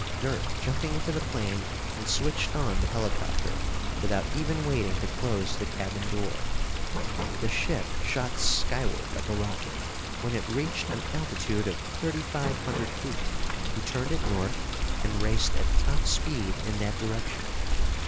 Dirk jumping into the plane and switched on the helicopter without even waiting to close the cabin door. The ship shot skyward like a rocket. When it reached an altitude of thirty five hundred feet, he turned it north and raced at top speed in that direction.